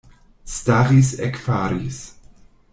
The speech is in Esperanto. Staris, ekfaris.